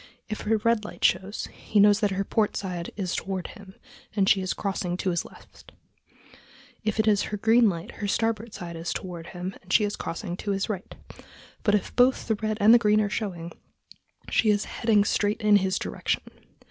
If her red light shows, he knows that her port side is toward him and she is crossing to his left; if it is her green light, her starboard side is toward him and she is crossing to his right; but if both the red and green are showing, she is heading straight in his direction....